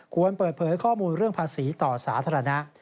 ควรเปิดเผยข้อมูลเรื่องภาษีต่อสาธารณะ